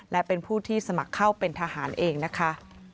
และเป็นผู้ที่สมัครเข้าเป็นทหารเองนะคะ